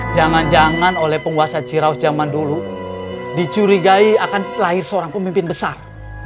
jangan jangan oleh penguasa ciraus zaman dulu dicurigai akan lahir seorang pemimpin besar